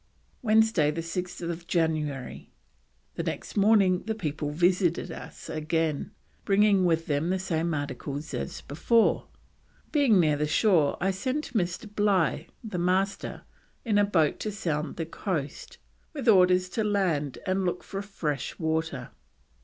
"Wednesday 6th January 1779. The next morning the people visited us again, bringing with them the same articles as before. Being near the shore I sent Mr. Bligh, the Master, in a boat to sound the coast, with orders to land and look for fresh water.